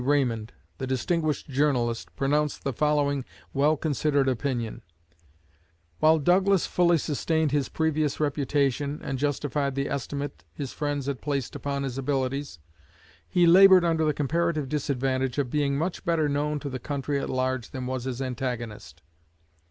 Raymond, the distinguished journalist, pronounced the following well considered opinion: "While Douglas fully sustained his previous reputation, and justified the estimate his friends had placed upon his abilities, he labored under the comparative disadvantage of being much better known to the country at large than was his antagonist.